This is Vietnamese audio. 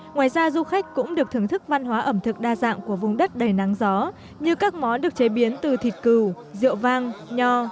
ngoài ra du khách cũng được thưởng thức văn hóa ẩm thực đa dạng của vùng đất đầy nắng gió như các món được chế biến từ thịt cừu rượu vang nho